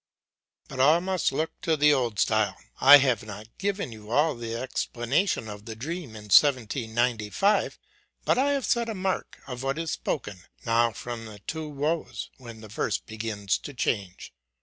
But all must look to the old style. I have not giv en you all the' explanation of the dream in 17Q5 ; but I have set a mark of. what is spoken now from the two woes, when the verse begins to change.